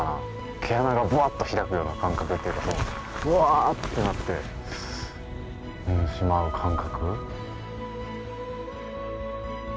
毛穴がぶわっと開くような感覚っていうかうわってなってしまう感覚。